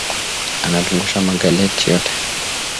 Analungusha ma galette yote